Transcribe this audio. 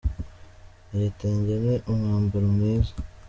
Igitenge ni umwambaro mwiza.